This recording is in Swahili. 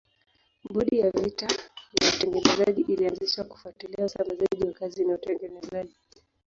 Bodi ya vita ya utengenezaji ilianzishwa kufuatilia usambazaji wa kazi na utengenezaji.